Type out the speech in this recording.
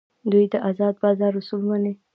دوی د ازاد بازار اصول مني.